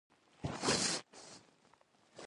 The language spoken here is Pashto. تیروتنه د زده کړې برخه ده؟